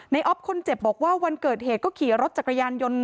อ๊อฟคนเจ็บบอกว่าวันเกิดเหตุก็ขี่รถจักรยานยนต์